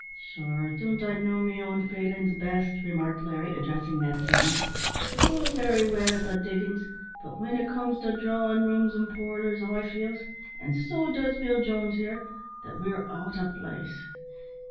"Sure don't I know me own feelin's best?" remarked Larry, addressing Ned Sinton. "It's all very well at the diggin's; but when it comes to drawin' rooms and parlours, I feels an' so does Bill Jones here that we're out 'o place.